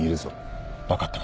・分かってます。